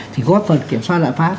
thì góp phần kiểm soát lạ phát